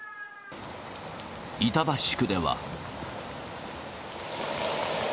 板橋区では。